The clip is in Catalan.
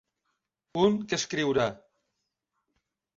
Un que escriurà.